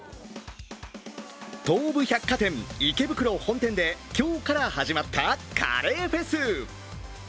東武百貨店、池袋本店で今日から始まった、カレーフェス。